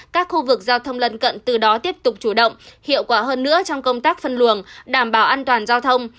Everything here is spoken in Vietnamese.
các khu vực giao thông lân cận từ đó tiếp tục chủ động hiệu quả hơn nữa trong công tác phân luồng đảm bảo an toàn giao thông